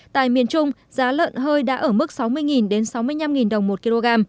tại miền trung giá lợn hơi đã ở mức sáu mươi đến sáu mươi hai đồng một kg